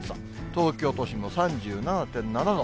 東京都心も３７．７度。